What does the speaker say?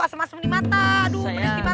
asam asam di mata aduh pedes di mata